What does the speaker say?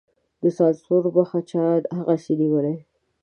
د سانسور مخه چا هغسې نېولې.